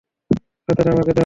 ছাতাটা আমাকে দাও।